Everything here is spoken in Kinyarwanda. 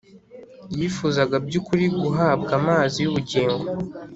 Yifuzaga by’ukuri guhabwa amazi y’ubugingo;